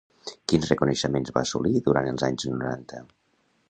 Quins reconeixements va assolir durant els anys noranta?